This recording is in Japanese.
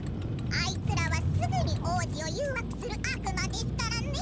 あいつらはすぐに王子を誘惑する悪魔ですからね」。